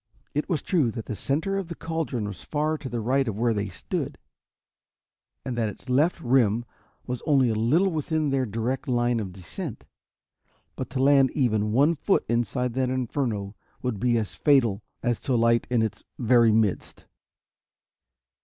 It was true that the center of the caldron was far to the right of where they stood, and that its left rim was only a little within their direct line of descent. But to land even one foot inside that inferno would be as fatal as to alight in its very midst.